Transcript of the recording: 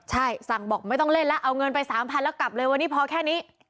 ใช่สั่งบอกไม่ต้องเล่นแล้วเอาเงินไป๓๐๐แล้วกลับเลยวันนี้พอแค่นี้